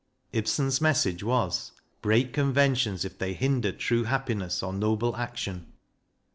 Ibsen's message was " Break conventions if they hinder true happiness or noble action."